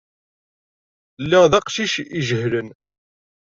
Lliɣ d aqcic ijehlen.